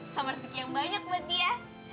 sama rezeki yang banyak buat dia